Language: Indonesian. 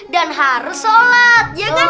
dan harus shalat ya kan